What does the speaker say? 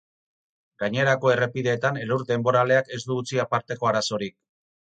Gainerako errepideetan elur denboraleak ez du utzi aparteko arazorik.